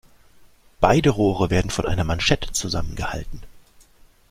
Beide Rohre werden von einer Manschette zusammengehalten.